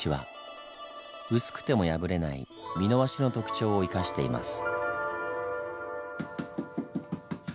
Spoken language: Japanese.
薄くても破れない美濃和紙の特長を生かしています。